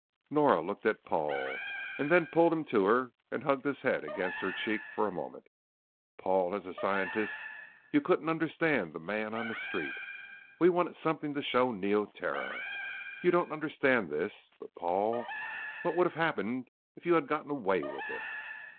Nora looked at Paul, and then pulled him to her and hugged his head against her cheek for a moment. "Paul, as a scientist you couldn't understand the man on the street. We wanted something to show Neoterra. You don't understand this. But Paul, what would have happened if you had gotten away with it?"